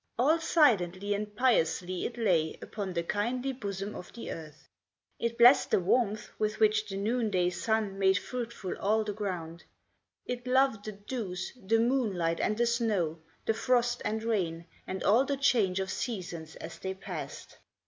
All silently and piously it lay Upon the kindly bosom of the earth. It blessed the warmth with which the noonday sun Made fruitful all the ground; it loved the dews, The moonlight and the snow, the frost and rain And all the change of seasons as they passed.